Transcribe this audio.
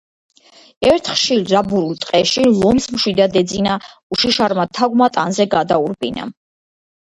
ერთ ხშირ, დაბურულ ტყეში ლომს მშვიდად ეძინა უშიშარმა თაგვმა ტანზე გადაურბინა.